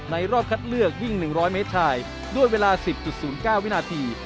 รอบคัดเลือกยิ่ง๑๐๐เมตรชายด้วยเวลา๑๐๐๙วินาที